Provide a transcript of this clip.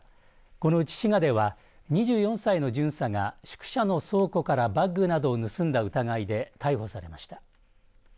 このうち滋賀では２４歳の巡査が宿舎の倉庫からバッグなどを盗んだ疑いで逮捕されました。